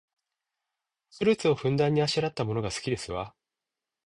フルーツをふんだんにあしらったものが好きですわ